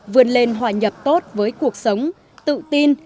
vươn lên hòa nhập tốt với cuộc sống tự tin